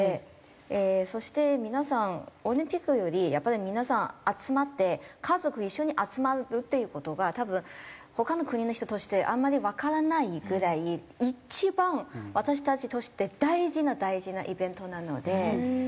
そして皆さんオリンピックよりやっぱり皆さん集まって家族一緒に集まるっていう事が多分他の国の人としてあんまりわからないぐらい一番私たちとして大事な大事なイベントなので。